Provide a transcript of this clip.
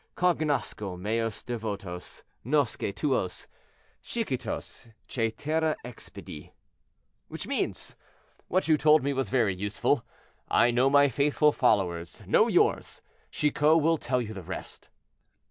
Cognosco meos devotos; nosce tuos. Chicotos cætera expedit." Which means, "What you told me was very useful. I know my faithful followers; know yours. Chicot will tell you the rest."